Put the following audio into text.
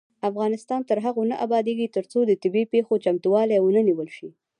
افغانستان تر هغو نه ابادیږي، ترڅو د طبيعي پیښو چمتووالی ونه نیول شي.